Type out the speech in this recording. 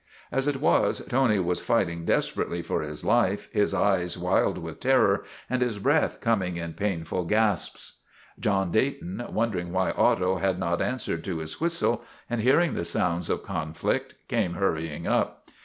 As it was, Tony was fighting desperately for his life, his eyes wild with terror and his breath coming in painful gasps. John Dayton, wondering why Otto had not an swered to his whistle, and hearing the sounds of con flict, came hurrying up.